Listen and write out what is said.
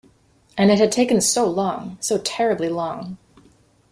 And it had taken so long — so terribly long!